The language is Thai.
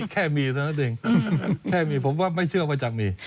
แค่มีเท่านั้นเองแค่มีผมว่าไม่เชื่อว่าจะมี